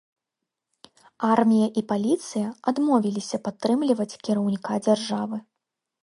Армія і паліцыя адмовіліся падтрымліваць кіраўніка дзяржавы.